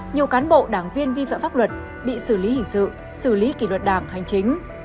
nhiều cán bộ đảng viên vi phạm pháp luật bị xử lý hình sự xử lý kỷ luật đảng hành chính